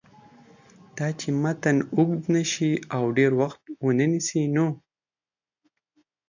داچې متن اوږد نشي او ډېر وخت ونه نیسي نو